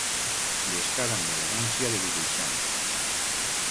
Llescar amb elegància de dibuixant.